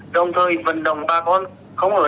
đồng thời vận động bà con không ở lại cũng về nổi